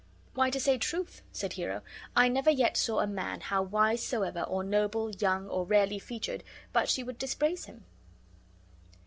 "Why, to say truth," said Hero, never yet saw a man, how wise soever, or noble, young,@ or rarely featured, but she would dispraise him."